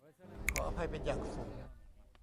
ขออภัยเป็นอย่างสูง